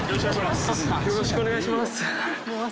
よろしくお願いします。